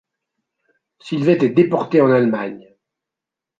Sylvette est déportée en Allemagne.